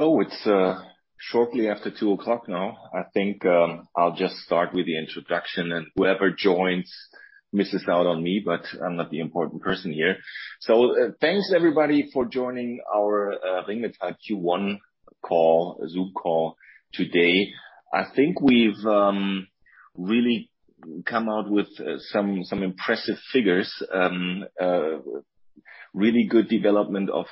Oh, it's shortly after two o'clock now. I think I'll just start with the introduction, and whoever joins misses out on me, but I'm not the important person here. Thanks everybody for joining our Ringmetall Q1 call, Zoom call today. I think we've really come out with some impressive figures. Really good development of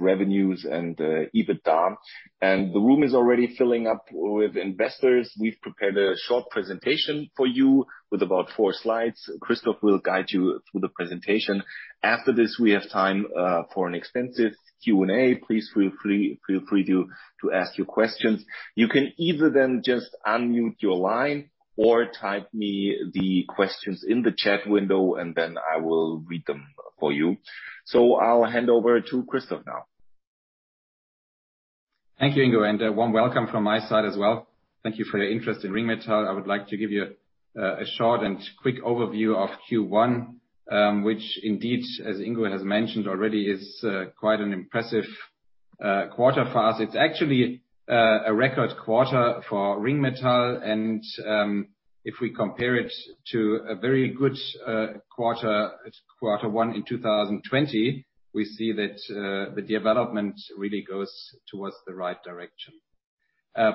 revenues and EBITDA. The room is already filling up with investors. We've prepared a short presentation for you with about four slides. Christoph will guide you through the presentation. After this, we have time for an extensive Q&A. Please feel free to ask your questions. You can either then just unmute your line or type me the questions in the chat window, and then I will read them for you. I'll hand over to Christoph now. Thank you, Ingo, and a warm welcome from my side as well. Thank you for your interest in Ringmetall. I would like to give you a short and quick overview of Q1, which indeed, as Ingo has mentioned already, is quite an impressive quarter for us. It's actually a record quarter for Ringmetall, and if we compare it to a very good quarter, Q1 2020, we see that the development really goes towards the right direction.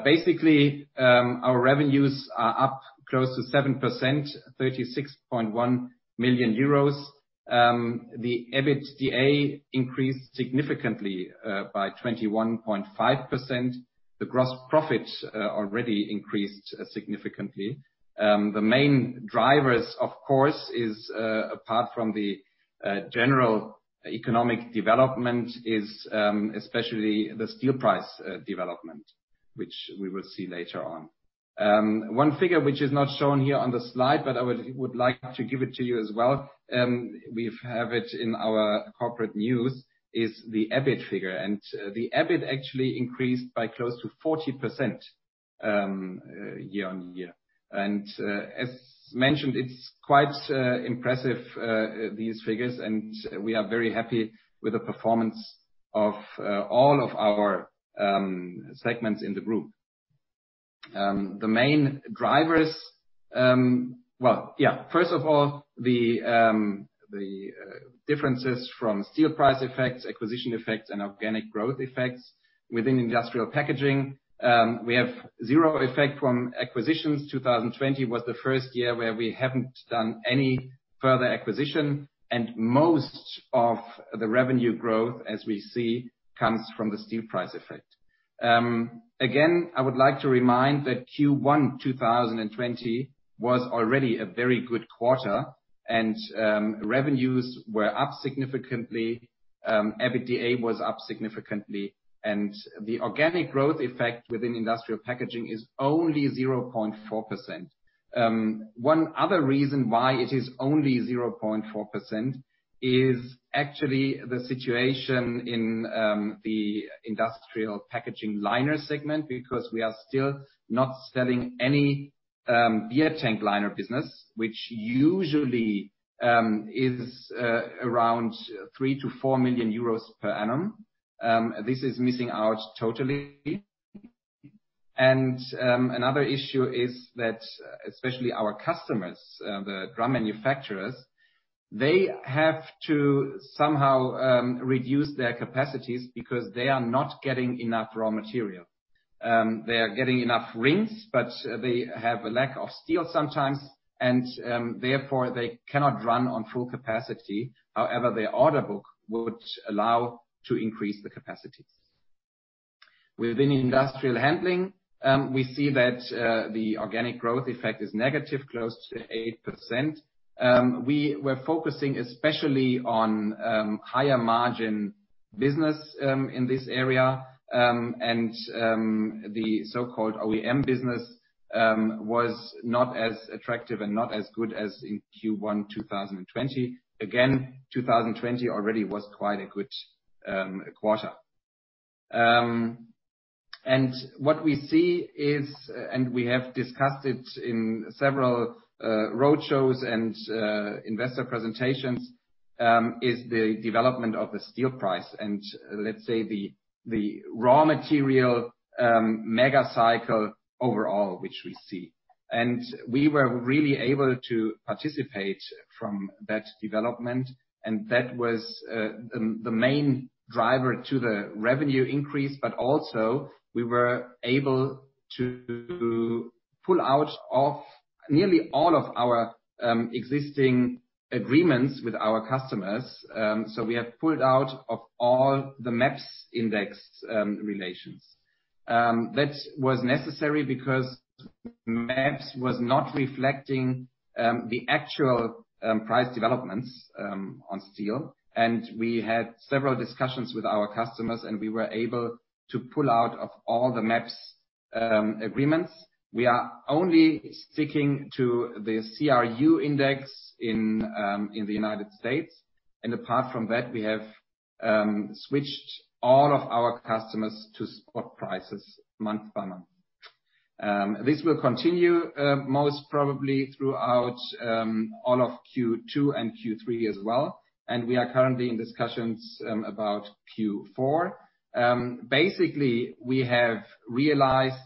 Basically, our revenues are up close to 7%, 36.1 million euros. The EBITDA increased significantly, by 21.5%. The gross profit already increased significantly. The main drivers, of course, is, apart from the general economic development, is especially the steel price development, which we will see later on. One figure which is not shown here on the slide, but I would like to give it to you as well, we have it in our corporate news, is the EBIT figure. The EBIT actually increased by close to 40% year-on-year. As mentioned, it's quite impressive, these figures, and we are very happy with the performance of all of our segments in the group. The main drivers, first of all, the differences from steel price effects, acquisition effects, and organic growth effects within Industrial Packaging. We have zero effect from acquisitions. 2020 was the first year where we haven't done any further acquisition, and most of the revenue growth, as we see, comes from the steel price effect. Again, I would like to remind that Q1 2020 was already a very good quarter, and revenues were up significantly. EBITDA was up significantly. The organic growth effect within Industrial Packaging is only 0.4%. One other reason why it is only 0.4% is actually the situation in the Industrial Packaging liner segment, because we are still not selling any beer tank liner business, which usually is around 3 million-4 million euros per annum. This is missing out totally. Another issue is that especially our customers, the drum manufacturers, they have to somehow reduce their capacities because they are not getting enough raw material. They are getting enough rings, but they have a lack of steel sometimes, and therefore they cannot run on full capacity. However, their order book would allow to increase the capacities. Within Industrial Handling, we see that the organic growth effect is negative, close to 8%. We were focusing especially on higher margin business in this area. The so-called OEM business, was not as attractive and not as good as in Q1 2020. Again, 2020 already was quite a good quarter. What we see is, and we have discussed it in several road shows and investor presentations, is the development of the steel price and let's say the raw material mega cycle overall, which we see. We were really able to participate from that development, and that was the main driver to the revenue increase. Also, we were able to pull out of nearly all of our existing agreements with our customers. We have pulled out of all the MEPS index relations. That was necessary because MEPS was not reflecting the actual price developments on steel. We had several discussions with our customers, and we were able to pull out of all the MEPS agreements. We are only sticking to the CRU index in the United States. Apart from that, we have switched all of our customers to spot prices month by month. This will continue, most probably throughout all of Q2 and Q3 as well. We are currently in discussions about Q4. Basically, we have realized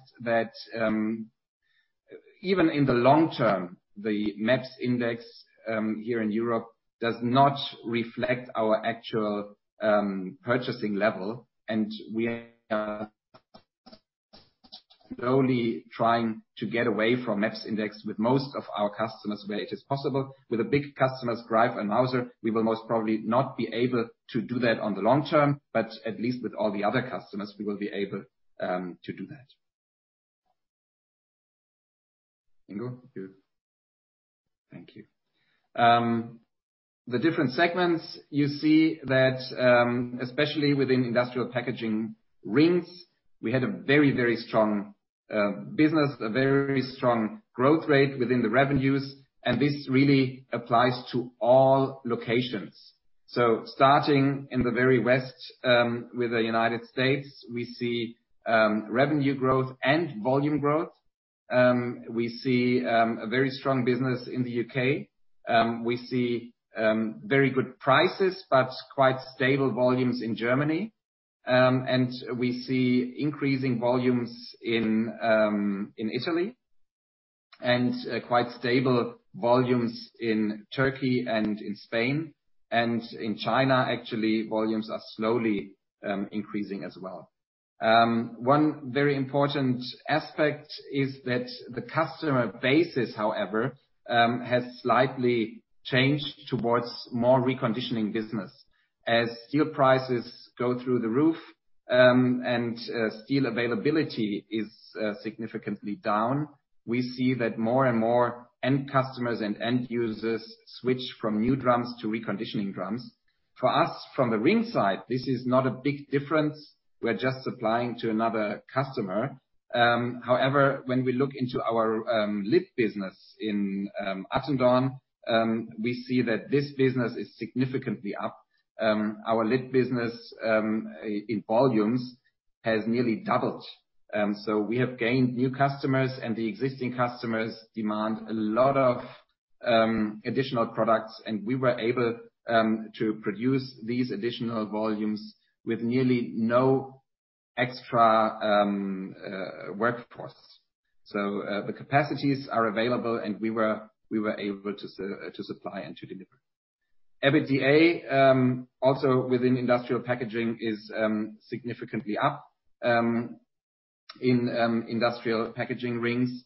that even in the long term, the MEPS index here in Europe does not reflect our actual purchasing level, and we are slowly trying to get away from MEPS index with most of our customers where it is possible. With the big customers, Greif and Mauser, we will most probably not be able to do that on the long term, but at least with all the other customers, we will be able to do that. Ingo? Thank you. The different segments, you see that, especially within Industrial Packaging rings, we had a very strong business, a very strong growth rate within the revenues. This really applies to all locations. Starting in the very west, with the United States, we see revenue growth and volume growth. We see a very strong business in the U.K. We see very good prices, but quite stable volumes in Germany. We see increasing volumes in Italy and quite stable volumes in Turkey and in Spain. In China, actually, volumes are slowly increasing as well. One very important aspect is that the customer basis, however, has slightly changed towards more reconditioning business. As steel prices go through the roof and steel availability is significantly down, we see that more and more end customers and end users switch from new drums to reconditioning drums. For us, from the ring side, this is not a big difference. We're just supplying to another customer. When we look into our lid business in Attendorn, we see that this business is significantly up. Our lid business in volumes has nearly doubled. We have gained new customers, and the existing customers demand a lot of additional products, and we were able to produce these additional volumes with nearly no extra workforce. The capacities are available, and we were able to supply and to deliver. EBITDA, also within Industrial Packaging, is significantly up in Industrial Packaging rings.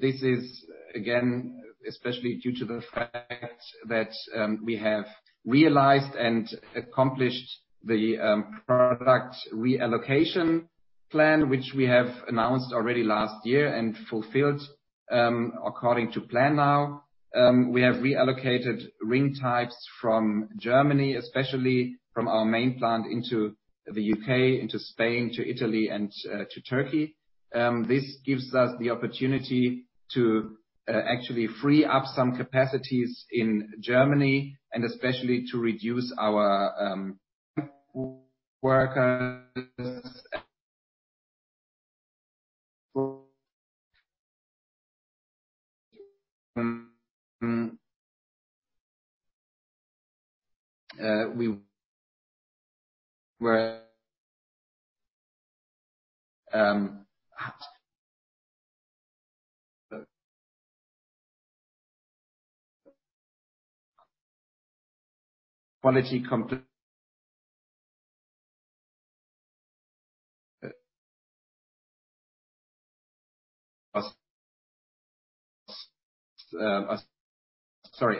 This is again, especially due to the fact that we have realized and accomplished the product reallocation plan, which we have announced already last year and fulfilled according to plan now. We have reallocated ring types from Germany, especially from our main plant into the U.K., into Spain, to Italy, and to Turkey. This gives us the opportunity to actually free up some capacities in Germany and especially to reduce our workers. We were quite sorry.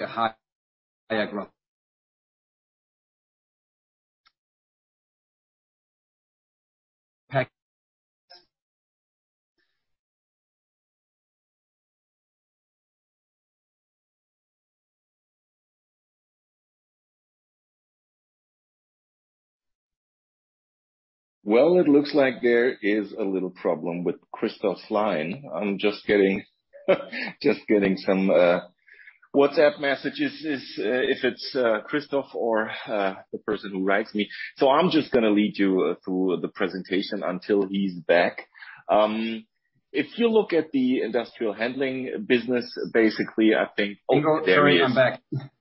Well, it looks like there is a little problem with Christoph's line. I'm just getting some WhatsApp messages. If it's Christoph or the person who writes me. I'm just going to lead you through the presentation until he's back. If you look at the Industrial Handling business, basically, Oh, there he is. Ingo, sorry, I'm back.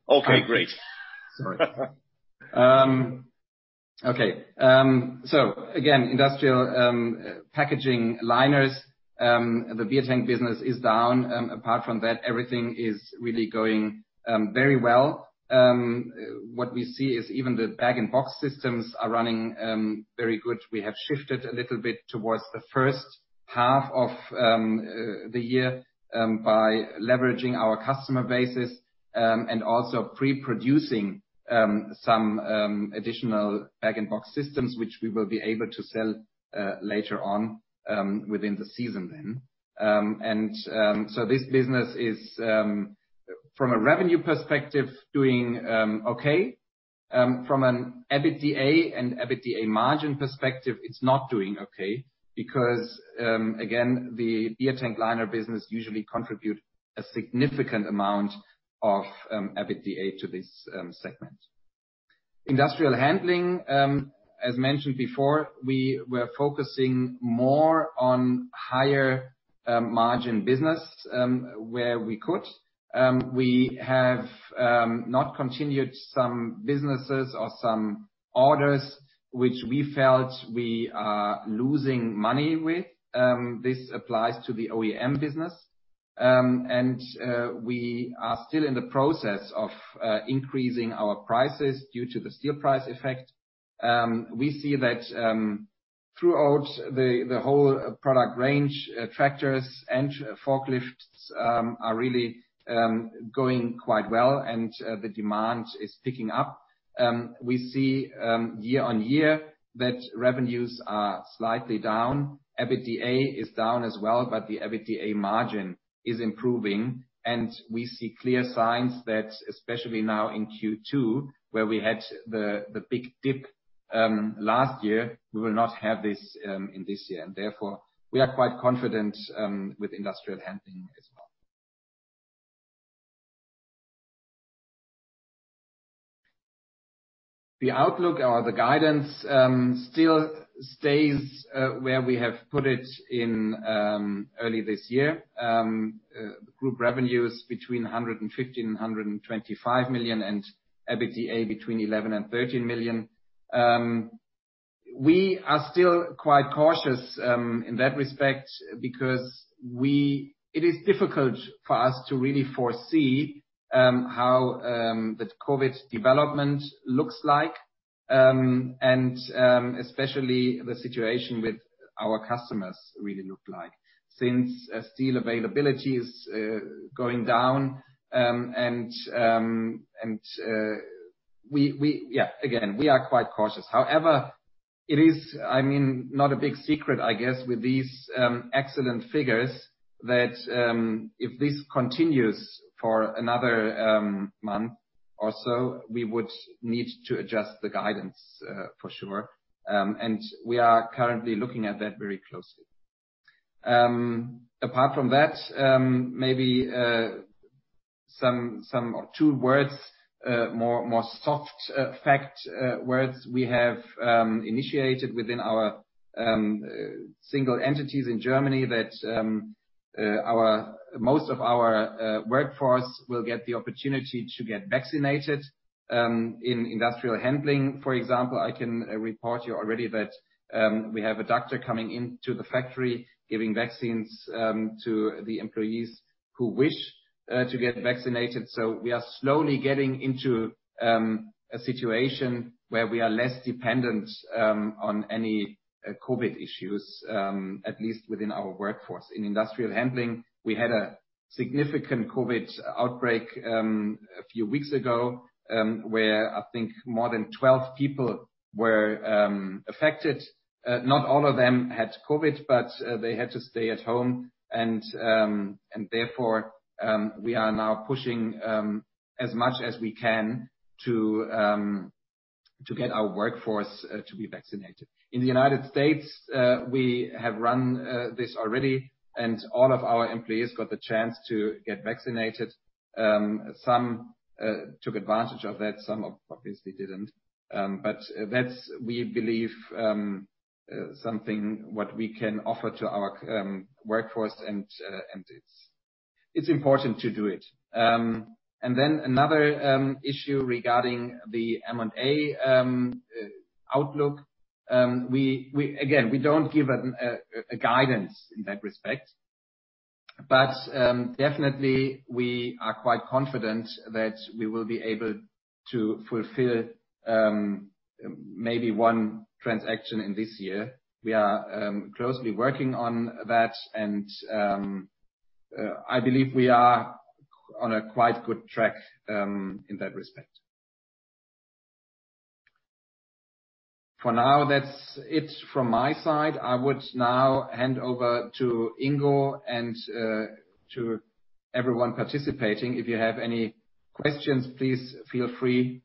Okay, great. Sorry. Okay. Again, Industrial Packaging liners, the beer tank business is down. Apart from that, everything is really going very well. What we see is even the bag-in-box systems are running very good. We have shifted a little bit towards the first half of the year by leveraging our customer bases and also pre-producing some additional bag-in-box systems, which we will be able to sell later on within the season then. This business is, from a revenue perspective, doing okay. From an EBITDA and EBITDA margin perspective, it's not doing okay because, again, the beer tank liner business usually contribute a significant amount of EBITDA to this segment. Industrial Handling, as mentioned before, we were focusing more on higher margin business where we could. We have not continued some businesses or some orders which we felt we are losing money with. This applies to the OEM business. We are still in the process of increasing our prices due to the steel price effect. We see that throughout the whole product range, tractors and forklifts are really going quite well and the demand is picking up. We see year-on-year that revenues are slightly down. EBITDA is down as well, but the EBITDA margin is improving and we see clear signs that especially now in Q2, where we had the big dip last year, we will not have this in this year. Therefore, we are quite confident with Industrial Handling as well. The outlook or the guidance still stays where we have put it in early this year. Group revenues between 115 million-125 million and EBITDA between 11 million-13 million. We are still quite cautious in that respect because it is difficult for us to really foresee how the COVID development looks like and especially the situation with our customers really look like. Since steel availability is going down and again, we are quite cautious. However, it is not a big secret, I guess, with these excellent figures that if this continues for another month or so, we would need to adjust the guidance for sure. We are currently looking at that very closely. Apart from that, maybe two words, more soft fact words we have initiated within our single entities in Germany that most of our workforce will get the opportunity to get vaccinated. In Industrial Handling, for example, I can report you already that we have a doctor coming into the factory giving vaccines to the employees who wish to get vaccinated. We are slowly getting into a situation where we are less dependent on any COVID issues, at least within our workforce. In Industrial Handling, we had a significant COVID outbreak a few weeks ago, where I think more than 12 people were affected. Not all of them had COVID, but they had to stay at home and therefore, we are now pushing as much as we can to get our workforce to be vaccinated. In the United States, we have run this already and all of our employees got the chance to get vaccinated. Some took advantage of that, some obviously didn't. That's, we believe something what we can offer to our workforce and it's important to do it. Another issue regarding the M&A outlook. Again, we don't give a guidance in that respect, but definitely we are quite confident that we will be able to fulfill maybe one transaction in this year. We are closely working on that and I believe we are on a quite good track in that respect. For now, that's it from my side. I would now hand over to Ingo and to everyone participating. If you have any questions, please feel free.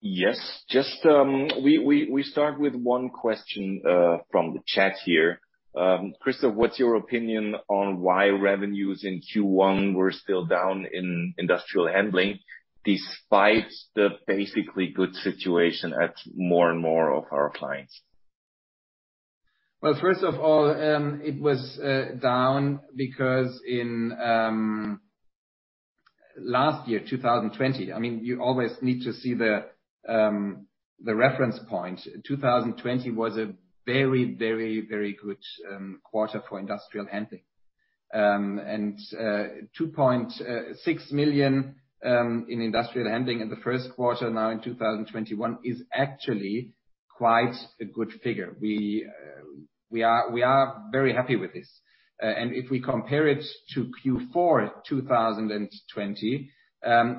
Yes. We start with one question from the chat here. Christoph, what's your opinion on why revenues in Q1 were still down in Industrial Handling despite the basically good situation at more and more of our clients? Well, first of all, it was down because in last year, 2020, you always need to see the reference point. 2020 was a very good quarter for Industrial Handling. 2.6 million in Industrial Handling in the first quarter now in 2021 is actually quite a good figure. We are very happy with this. If we compare it to Q4 2020,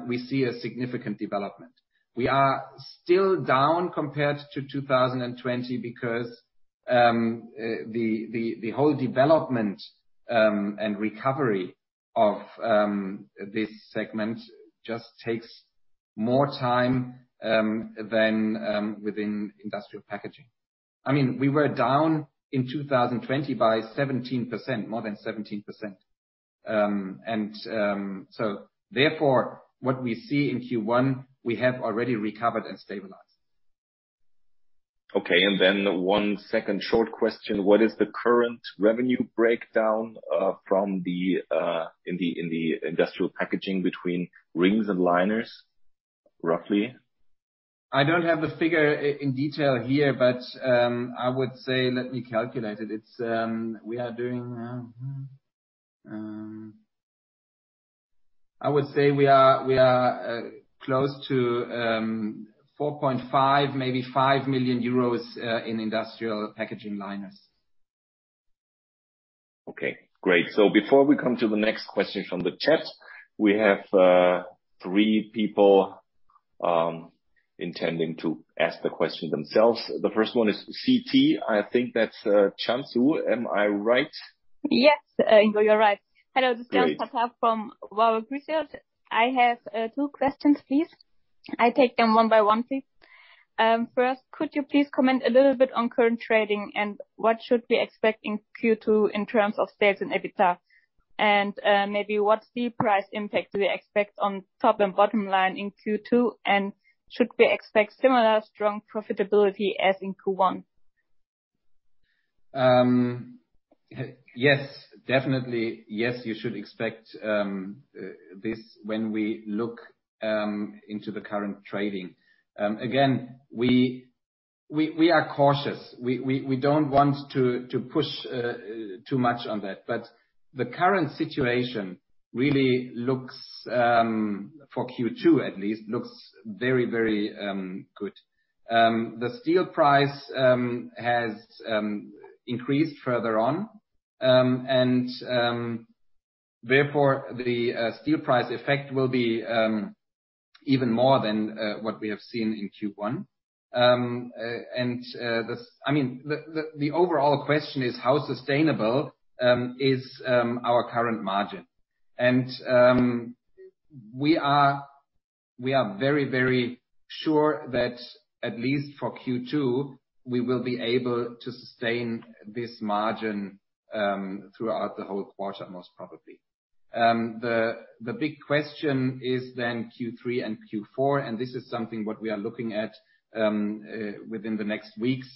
we see a significant development. We are still down compared to 2020 because the whole development and recovery of this segment just takes more time than within Industrial Packaging. We were down in 2020 by 17%, more than 17%. Therefore, what we see in Q1, we have already recovered and stabilized. Okay, one second short question. What is the current revenue breakdown in the Industrial Packaging between rings and liners, roughly? I don't have the figure in detail here, but I would say, let me calculate it. I would say we are close to 4.5 million, maybe 5 million euros in Industrial Packaging liners. Okay, great. Before we come to the next question from the chat, we have three people intending to ask the question themselves. The first one is CT. I think that's Cansu. Am I right? Yes, Ingo, you're right. Hello, this is Cansu Tatar from Warburg Research. I have two questions, please. I take them one by one, please. Could you please comment a little bit on current trading and what should we expect in Q2 in terms of sales and EBITDA? Maybe what steel price impact do we expect on top and bottom line in Q2? Should we expect similar strong profitability as in Q1? Yes, definitely. Yes, you should expect this when we look into the current trading. Again, we are cautious. We don't want to push too much on that. The current situation really looks, for Q2 at least, looks very good. The steel price has increased further on, and therefore the steel price effect will be even more than what we have seen in Q1. The overall question is how sustainable is our current margin? We are very sure that at least for Q2, we will be able to sustain this margin throughout the whole quarter, most probably. The big question is then Q3 and Q4, and this is something what we are looking at within the next weeks.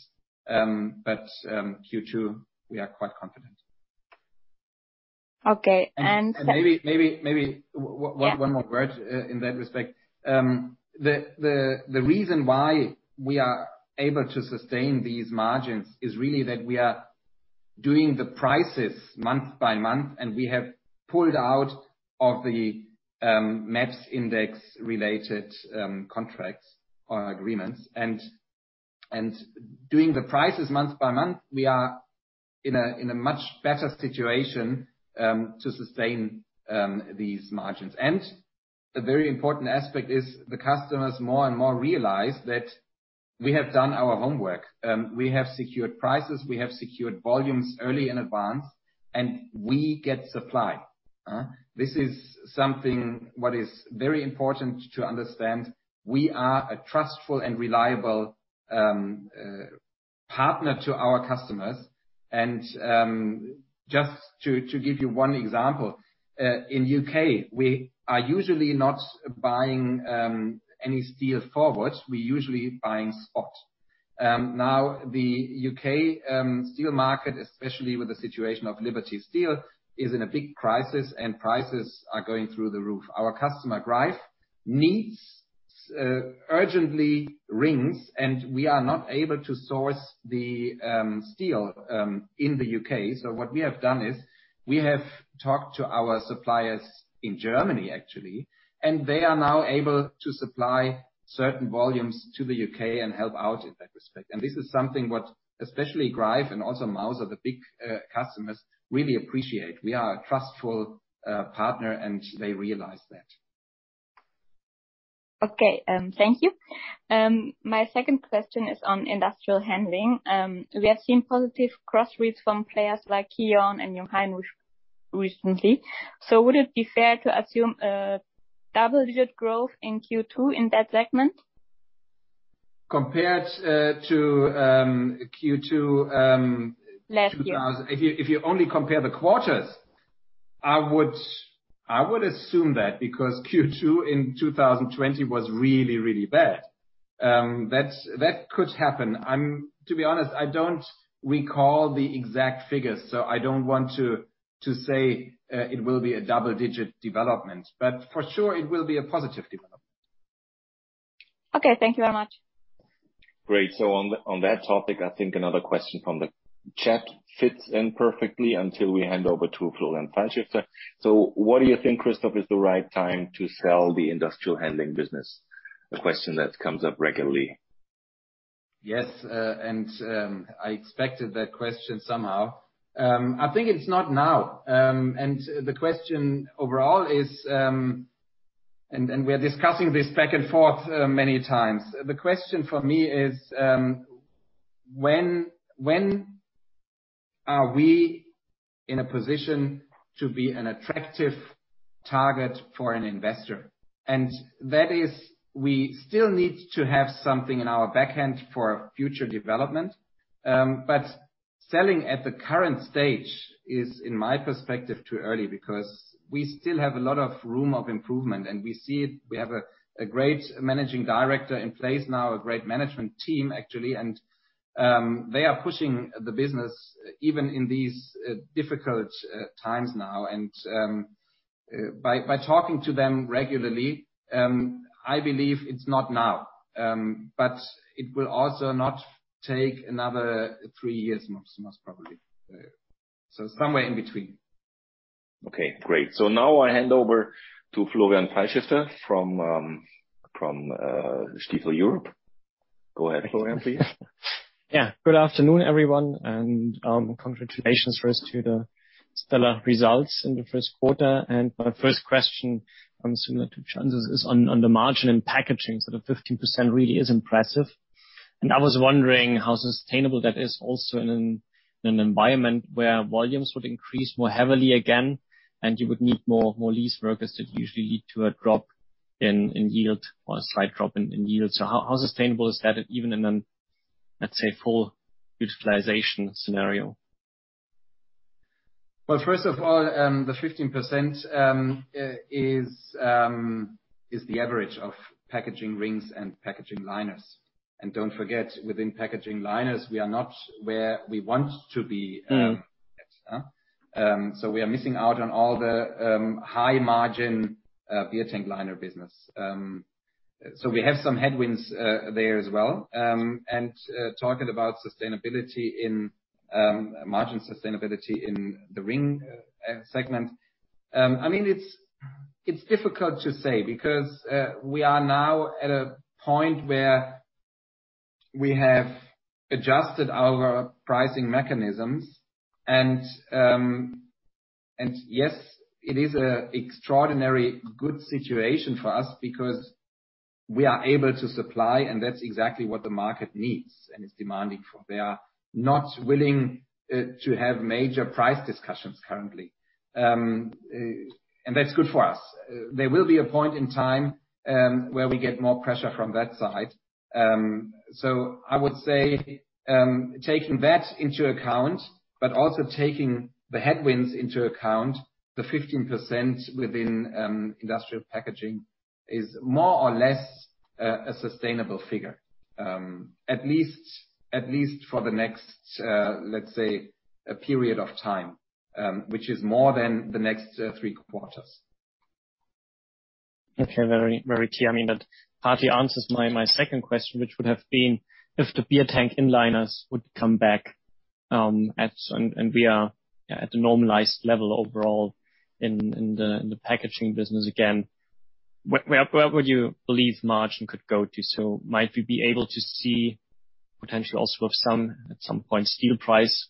Q2, we are quite confident. Okay. Maybe one more word in that respect. The reason why we are able to sustain these margins is really that we are doing the prices month by month, and we have pulled out of the MEPS index related contracts or agreements. Doing the prices month by month, we are in a much better situation to sustain these margins. A very important aspect is the customers more and more realize that we have done our homework. We have secured prices, we have secured volumes early in advance, and we get supply. This is something what is very important to understand. We are a trustful and reliable partner to our customers. Just to give you one example, in U.K., we are usually not buying any steel forward. We're usually buying spot. The U.K. steel market, especially with the situation of Liberty Steel, is in a big crisis and prices are going through the roof. Our customer, Greif, needs urgently rings, and we are not able to source the steel in the U.K. What we have done is we have talked to our suppliers in Germany, actually, and they are now able to supply certain volumes to the U.K. and help out in that respect. This is something what especially Greif and also Mauser, the big customers, really appreciate. We are a trustful partner, and they realize that. Okay. Thank you. My second question is on Industrial Handling. We have seen positive cross reads from players like KION and Jungheinrich recently. Would it be fair to assume double-digit growth in Q2 in that segment? Compared to Q2. Last year if you only compare the quarters, I would assume that, because Q2 2020 was really bad. That could happen. To be honest, I don't recall the exact figures, so I don't want to say it will be a double-digit development. For sure, it will be a positive development. Okay. Thank you very much. Great. On that topic, I think another question from the chat fits in perfectly until we hand over to Florian Pfeilschifter. What do you think, Christoph, is the right time to sell the Industrial Handling business? A question that comes up regularly. Yes. I expected that question somehow. I think it's not now. The question overall is, we're discussing this back and forth many times. The question for me is, when are we in a position to be an attractive target for an investor. That is, we still need to have something in our backend for future development. Selling at the current stage is, in my perspective, too early because we still have a lot of room of improvement. We see it, we have a great managing director in place now, a great management team, actually. They are pushing the business even in these difficult times now. By talking to them regularly, I believe it's not now. It will also not take another three years, most probably. Somewhere in between. Okay, great. Now I hand over to Florian Pfeilschifter from Stifel Europe. Go ahead, Florian, please. Good afternoon, everyone, congratulations first to the stellar results in the first quarter. My first question, similar to Cansu's, is on the margin and packaging. The 15% really is impressive. I was wondering how sustainable that is also in an environment where volumes would increase more heavily again, you would need more leased workers that usually lead to a slight drop in yield. How sustainable is that, even in an, let's say, full utilization scenario? Well, first of all, the 15% is the average of packaging rings and packaging liners. Don't forget, within packaging liners, we are not where we want to be yet. We are missing out on all the high-margin beer tank liner business. We have some headwinds there as well. Talking about margin sustainability in the ring segment, it's difficult to say because we are now at a point where we have adjusted our pricing mechanisms. Yes, it is a extraordinarily good situation for us because we are able to supply and that's exactly what the market needs and is demanding for. They are not willing to have major price discussions currently. That's good for us. There will be a point in time where we get more pressure from that side. I would say, taking that into account, but also taking the headwinds into account, the 15% within Industrial Packaging is more or less a sustainable figure. At least for the next, let's say, a period of time, which is more than the next three quarters. Okay. Very clear. That partly answers my second question, which would have been if the beer tank inliners would come back and we are at the normalized level overall in the packaging business again, where would you believe margin could go to? Might we be able to see potentially also at some point steel price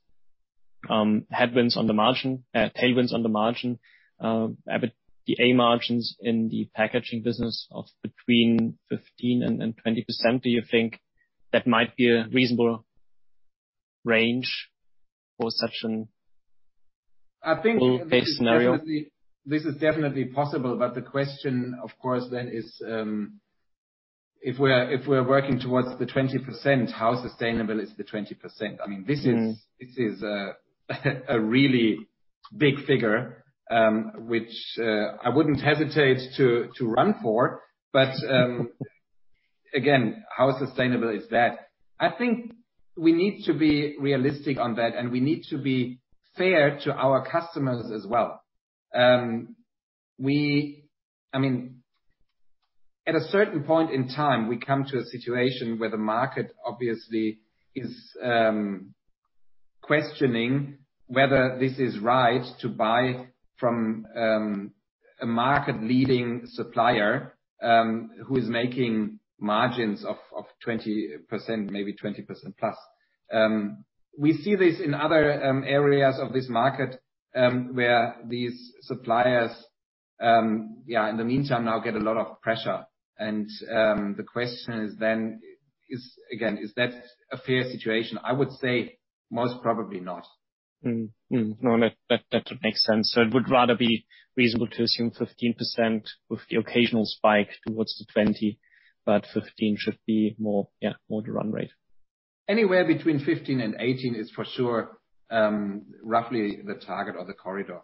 headwinds on the margin, tailwinds on the margin, EBITDA margins in the packaging business of between 15% and 20%? Do you think that might be a reasonable range for such an I think- full base scenario? This is definitely possible. The question, of course then is, if we're working towards the 20%, how sustainable is the 20%? This is a really big figure, which I wouldn't hesitate to run for. Again, how sustainable is that? I think we need to be realistic on that, and we need to be fair to our customers as well. At a certain point in time, we come to a situation where the market obviously is questioning whether this is right to buy from a market-leading supplier who is making margins of 20%, maybe 20%+. We see this in other areas of this market, where these suppliers, in the meantime now get a lot of pressure. The question is then, again, is that a fair situation? I would say most probably not. No, that would make sense. It would rather be reasonable to assume 15% with the occasional spike towards the 20%, but 15% should be more the run rate. Anywhere between 15% and 18% is for sure roughly the target of the corridor.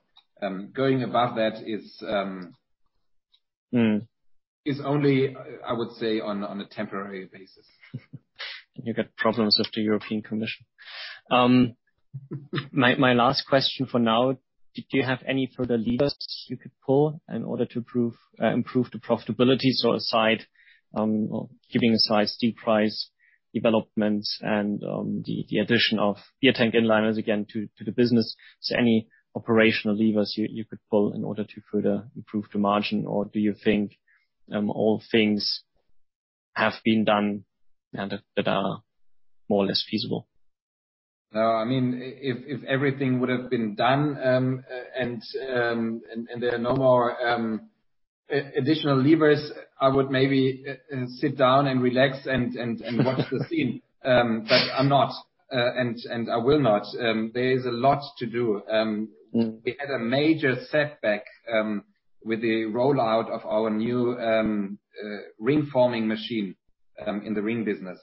Going above that is only, I would say, on a temporary basis. You get problems with the European Commission. My last question for now, did you have any further levers you could pull in order to improve the profitability? Keeping aside steel price developments and the addition of beer tank inliners again to the business, any operational levers you could pull in order to further improve the margin? Do you think all things have been done and that are more or less feasible? If everything would have been done and there are no more additional levers, I would maybe sit down and relax and watch the scene. I'm not, and I will not. There is a lot to do. We had a major setback with the rollout of our new ring forming machine in the ring business.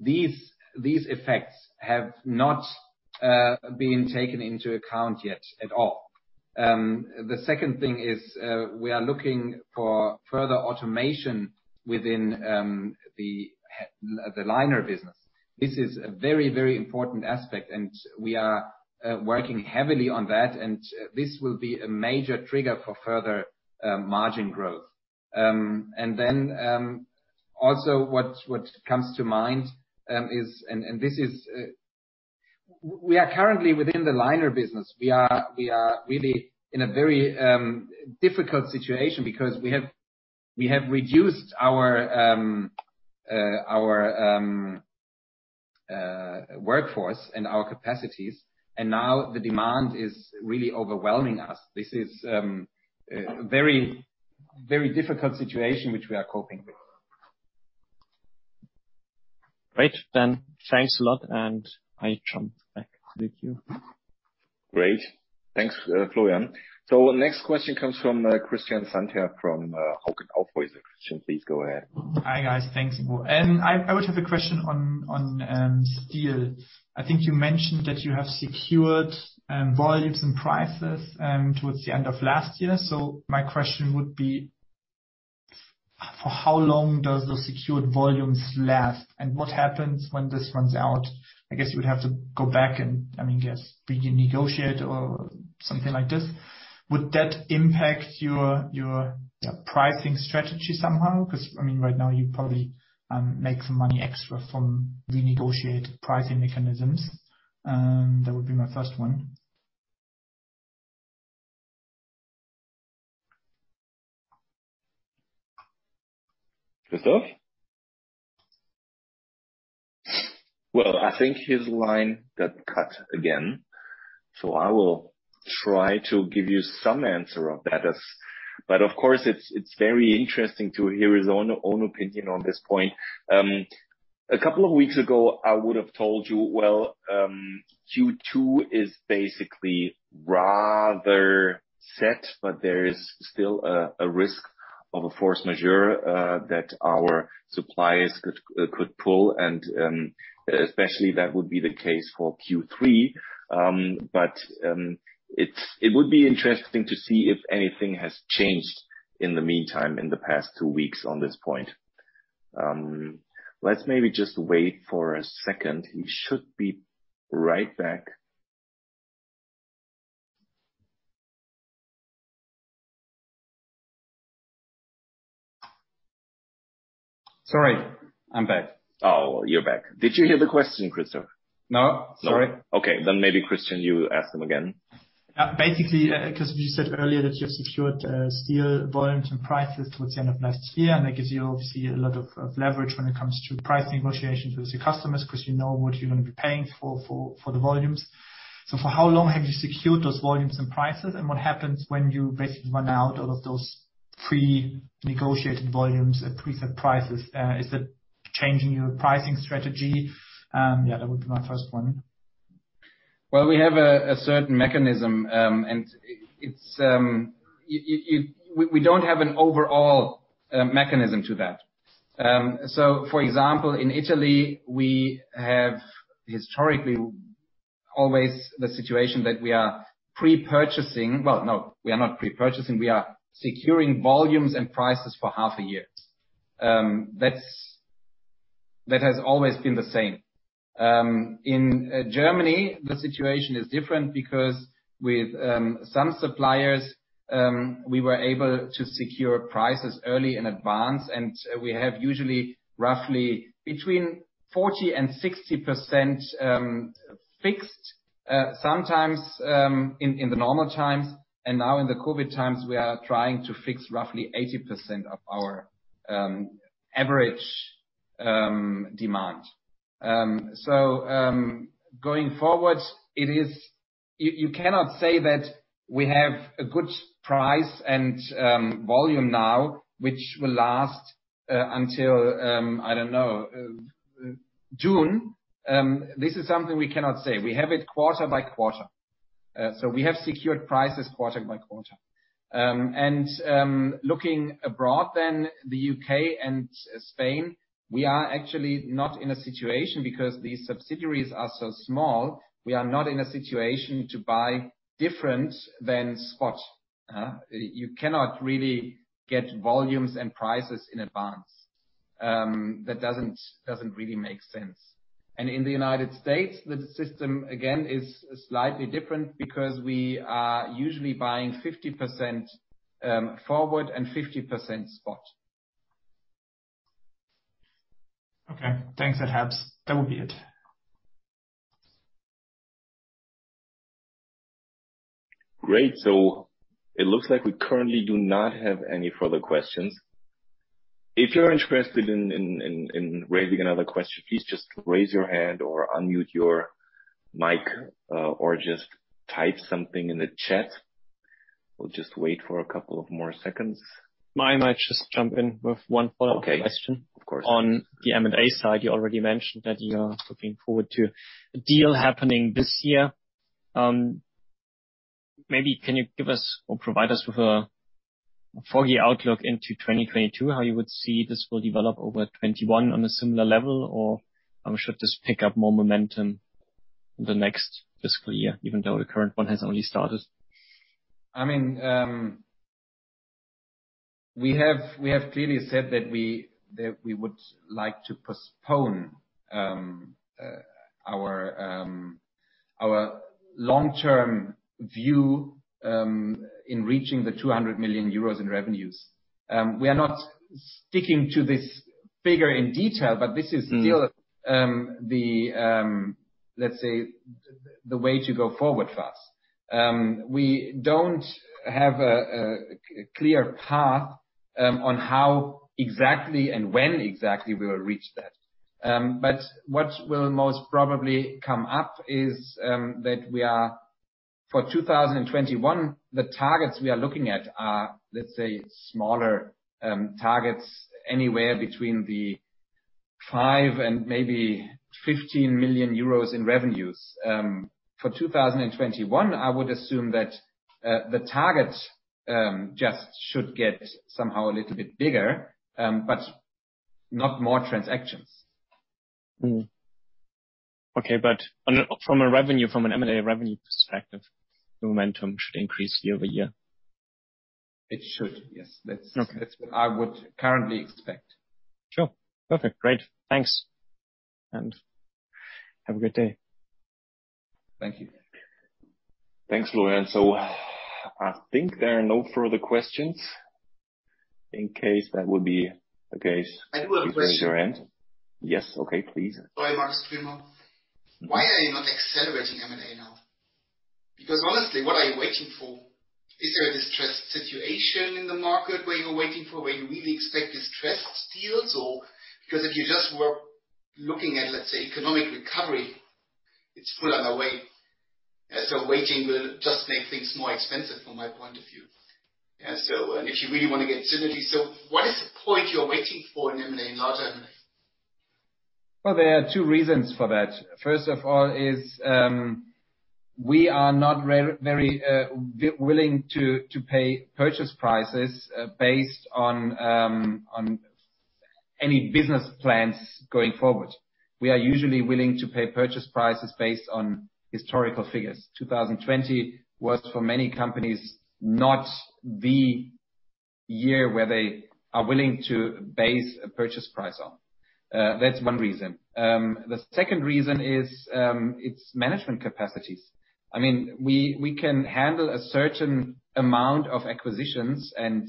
These effects have not been taken into account yet at all. The second thing is we are looking for further automation within the liner business. This is a very important aspect and we are working heavily on that, and this will be a major trigger for further margin growth. Also what comes to mind is, we are currently within the liner business. We are really in a very difficult situation because we have reduced our workforce and our capacities, and now the demand is really overwhelming us. This is a very difficult situation which we are coping with. Great. Thanks a lot and I jump back to the queue. Great. Thanks, Florian. Next question comes from Christian Sandherr from Hauck & Aufhäuser. Christian, please go ahead. Hi, guys. Thanks. I would have a question on steel. I think you mentioned that you have secured volumes and prices towards the end of last year. My question would be, for how long does those secured volumes last and what happens when this runs out? I guess you would have to go back and, I guess, renegotiate or something like this. Would that impact your pricing strategy somehow? Right now you probably make some money extra from renegotiated pricing mechanisms. That would be my first one. Christoph? Well, I think his line got cut again, so I will try to give you some answer on that. Of course, it's very interesting to hear his own opinion on this point. A couple of weeks ago, I would've told you, well, Q2 is basically rather set, but there is still a risk of a force majeure that our suppliers could pull. Especially that would be the case for Q3. It would be interesting to see if anything has changed in the meantime, in the past two weeks on this point. Let's maybe just wait for a second. He should be right back. Sorry, I'm back. Oh, you're back. Did you hear the question, Christoph? No, sorry. Okay, maybe Christian, you ask him again. Basically, because you said earlier that you have secured steel volumes and prices towards the end of last year, that gives you obviously a lot of leverage when it comes to price negotiations with your customers because you know what you're going to be paying for the volumes. For how long have you secured those volumes and prices and what happens when you basically run out all of those pre-negotiated volumes at preset prices? Is it changing your pricing strategy? That would be my first one. Well, we have a certain mechanism. We don't have an overall mechanism to that. For example, in Italy, we have historically always the situation that we are pre-purchasing. Well, no, we are not pre-purchasing. We are securing volumes and prices for half a year. That has always been the same. In Germany, the situation is different because with some suppliers, we were able to secure prices early in advance and we have usually roughly between 40% and 60% fixed, sometimes, in the normal times. Now in the COVID times, we are trying to fix roughly 80% of our average demand. Going forward, you cannot say that we have a good price and volume now, which will last until, I don't know, June. This is something we cannot say. We have it quarter by quarter. We have secured prices quarter by quarter. Looking abroad then, the U.K. and Spain, we are actually not in a situation because these subsidiaries are so small, we are not in a situation to buy different than spot. You cannot really get volumes and prices in advance. That doesn't really make sense. In the United States, the system again is slightly different because we are usually buying 50% forward and 50% spot. Okay, thanks. That helps. That would be it. Great. It looks like we currently do not have any further questions. If you're interested in raising another question, please just raise your hand or unmute your mic, or just type something in the chat. We'll just wait for a couple of more seconds. I might just jump in with one follow-up question. Okay. Of course. On the M&A side, you already mentioned that you are looking forward to a deal happening this year. Maybe can you give us or provide us with a full year outlook into 2022, how you would see this will develop over 2021 on a similar level, or should this pick up more momentum the next fiscal year, even though the current one has only started? We have clearly said that we would like to postpone our long-term view in reaching the 200 million euros in revenues. We are not sticking to this figure in detail, but this is still the, let's say, the way to go forward for us. We don't have a clear path on how exactly and when exactly we will reach that. What will most probably come up is that we are, for 2021, the targets we are looking at are, let's say, smaller targets, anywhere between the 5 million and maybe 15 million euros in revenues. For 2021, I would assume that the targets just should get somehow a little bit bigger, but not more transactions. From an M&A revenue perspective, momentum should increase year-over-year? It should, yes. Okay. That's what I would currently expect. Sure. Perfect. Great. Thanks. Have a good day. Thank you. Thanks, Florian. I think there are no further questions. In case that would be the case, you can raise your hand. Yes. Okay. Please. Hi, Markus Trimer. Why are you not accelerating M&A now? Honestly, what are you waiting for? Is there a distressed situation in the market where you're waiting for, where you really expect distressed deals, or if you just were looking at, let's say, economic recovery, it's further away? Waiting will just make things more expensive from my point of view. If you really want to get synergy, what is the point you're waiting for in M&A and larger M&A? Well, there are two reasons for that. First of all is, we are not very willing to pay purchase prices based on any business plans going forward. We are usually willing to pay purchase prices based on historical figures. 2020 was, for many companies, not the year where they are willing to base a purchase price on. That's one reason. The second reason is its management capacities. We can handle a certain amount of acquisitions and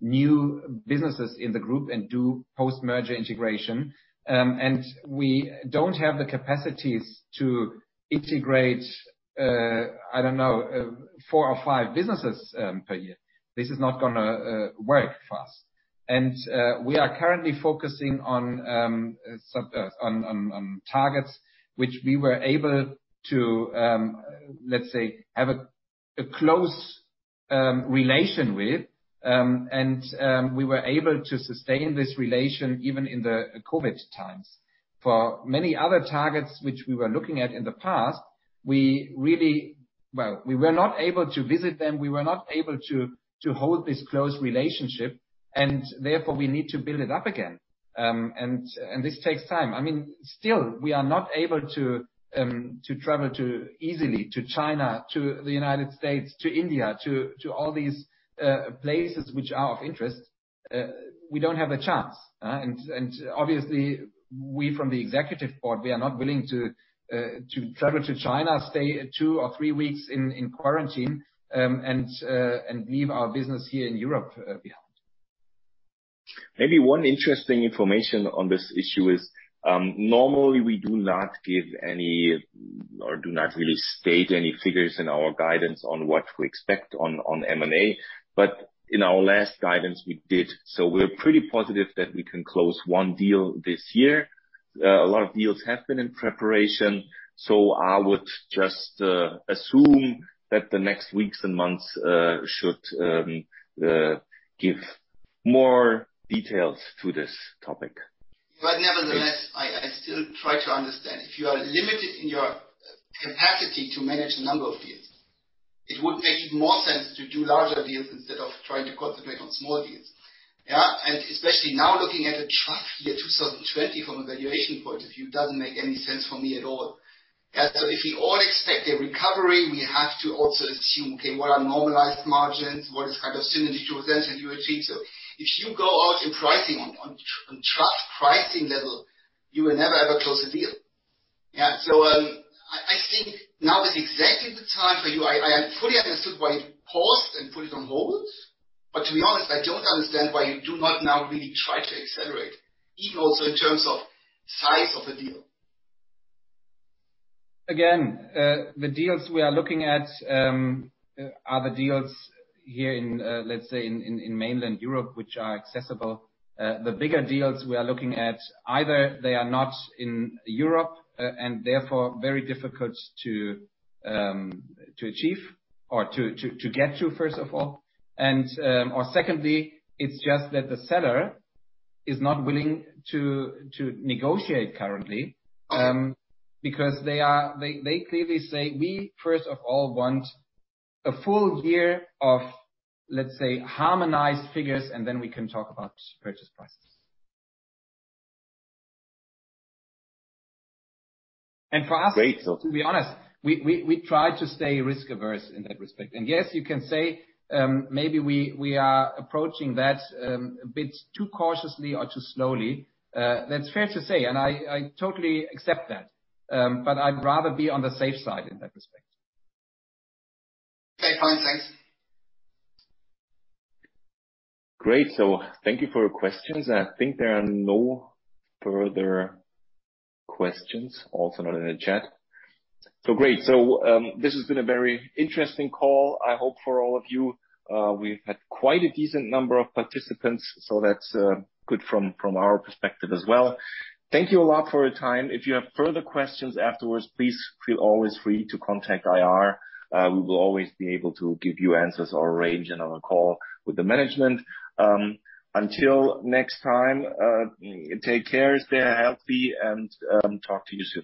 new businesses in the group and do post-merger integration. We don't have the capacities to integrate, I don't know, four or five businesses per year. This is not going to work for us. We are currently focusing on targets which we were able to, let's say, have a close relation with, and we were able to sustain this relation even in the COVID times. For many other targets which we were looking at in the past, we were not able to visit them, we were not able to hold this close relationship. Therefore, we need to build it up again. This takes time. Still, we are not able to travel easily to China, to the United States, to India, to all these places which are of interest. We don't have a chance. Obviously, we from the executive board, we are not willing to travel to China, stay two or three weeks in quarantine, and leave our business here in Europe behind. One interesting information on this issue is, normally we do not give any or do not really state any figures in our guidance on what we expect on M&A. In our last guidance, we did. We're pretty positive that we can close one deal this year. A lot of deals have been in preparation, I would just assume that the next weeks and months should give more details to this topic. Nevertheless, I still try to understand. If you are limited in your capacity to manage the number of deals, it would make even more sense to do larger deals instead of trying to concentrate on small deals. Yeah? Especially now looking at the trough year 2020 from a valuation point of view doesn't make any sense for me at all. If we all expect a recovery, we have to also assume, okay, what are normalized margins? What is kind of synergy presented you achieve? If you go out in pricing on trough pricing level, you will never, ever close a deal. I think now is exactly the time for you. I fully understood why you paused and put it on hold, but to be honest, I don't understand why you do not now really try to accelerate, even also in terms of size of the deal. The deals we are looking at are the deals here in, let's say, in mainland Europe, which are accessible. The bigger deals we are looking at, either they are not in Europe and therefore very difficult to achieve or to get to, first of all. Secondly, it's just that the seller is not willing to negotiate currently because they clearly say, "We first of all want a full year of, let's say, harmonized figures, and then we can talk about purchase prices. Great. To be honest, we try to stay risk-averse in that respect. Yes, you can say, maybe we are approaching that a bit too cautiously or too slowly. That's fair to say, and I totally accept that. I'd rather be on the safe side in that respect. Okay, fine. Thanks. Great. Thank you for your questions. I think there are no further questions, also not in the chat. Great. This has been a very interesting call, I hope, for all of you. We've had quite a decent number of participants, so that's good from our perspective as well. Thank you a lot for your time. If you have further questions afterwards, please feel always free to contact IR. We will always be able to give you answers or arrange another call with the management. Until next time, take care, stay healthy, and talk to you soon.